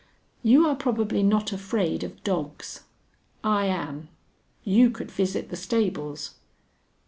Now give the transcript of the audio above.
"You are probably not afraid of dogs. I am. You could visit the stables."